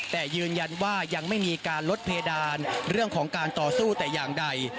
แต่ยืนยันว่ายังไม่มีการลดเพดานเรื่องของการต่อสู้แต่อย่างใด